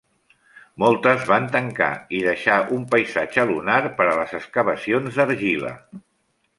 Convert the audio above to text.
Moltes van tancar i deixar un paisatge lunar per a les excavacions d'argila.